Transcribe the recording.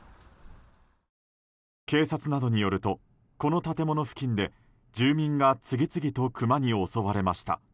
警察などによるとこの建物付近で住民が次々とクマに襲われました。